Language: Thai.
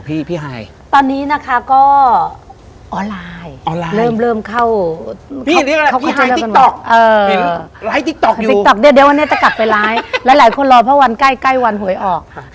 เดี๋ยววันนี้จะกลับไปไล้แล้วหลายคนรอพระวัญใกล้วันเหยยออก